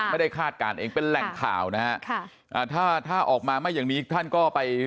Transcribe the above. คาดการณ์เองเป็นแหล่งข่าวนะฮะค่ะอ่าถ้าถ้าออกมาไม่อย่างนี้ท่านก็ไป